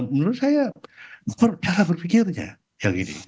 menurut saya cara berpikirnya yang gini